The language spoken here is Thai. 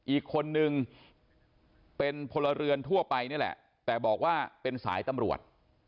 อีกคนนึงเป็นพลเรือนทั่วไปนี่แหละแต่บอกว่าเป็นสายตำรวจ